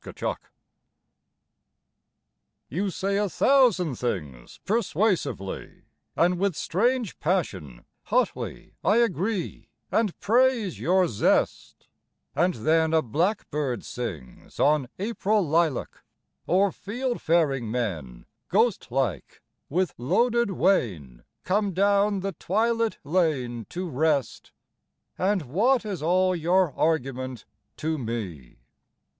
POLITICS You say a thousand things, Persuasively, And with strange passion hotly I agree, And praise your zest, And then A blackbird sings On April lilac, or fieldfaring men, Ghostlike, with loaded wain, Come down the twilit lane To rest, And what is all your argument to me?